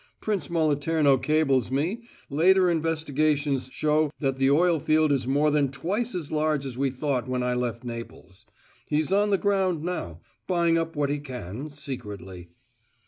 Prince Moliterno cables me later investigations show that the oil field is more than twice as large as we thought when I left Naples. He's on the ground now, buying up what he can, secretly."